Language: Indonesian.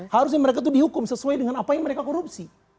harusnya mereka itu dihukum sesuai dengan apa yang mereka korupsi